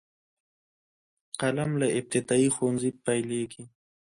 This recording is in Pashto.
قلم له ابتدايي ښوونځي پیلیږي.